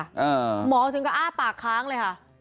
หมอถึงก็อ้าปากค้างเลยค่ะ